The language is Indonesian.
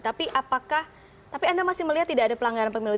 tapi apakah tapi anda masih melihat tidak ada pelanggaran pemilu